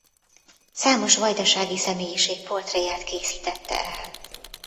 Számos vajdasági személyiség portréját készítette el.